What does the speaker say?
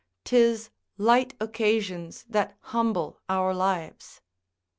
'Tis light occasions that humble our lives.